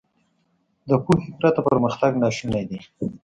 • د پوهې پرته پرمختګ ناشونی دی.